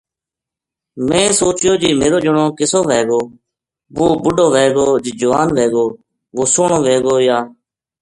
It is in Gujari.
میں سوچیو جے میرو جنو کِسو وھے گو ؟ وُہ بُڈھو وھے گو جے جوان وھے گو ؟ وُہ سوہنو وھے گو یا